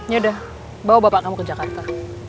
yaudah bawa bapak kamu ke jakarta